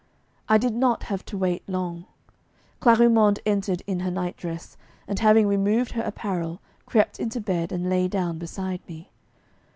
I did not have to wait long, Clarimonde entered in her nightdress, and having removed her apparel, crept into bed and lay down beside me.